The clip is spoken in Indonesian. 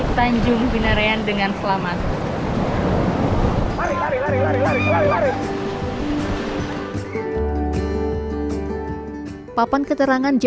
papan keterangan jam pertiga kita sudah sampai di tanjung binerian